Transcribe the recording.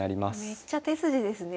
めっちゃ手筋ですね。